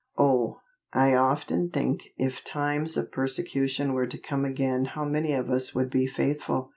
Oh, I often think if times of persecution were to come again how many of us would be faithful?